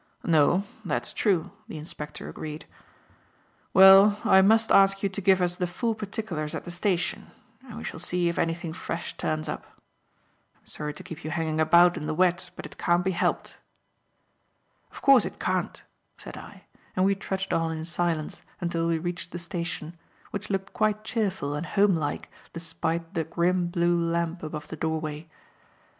"No, that's true," the inspector agreed. "Well, I must ask you to give us the full particulars at the station, and we shall see if anything fresh turns up. I'm sorry to keep you hanging about in the wet, but it can't be helped." "Of course it can't," said I, and we trudged on in silence until we reached the station, which looked quite cheerful and homelike despite the grim blue lamp above the doorway.